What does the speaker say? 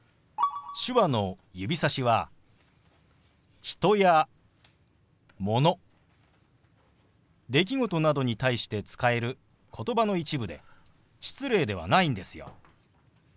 手話の指さしは人やもの出来事などに対して使える言葉の一部で失礼ではないんですよ。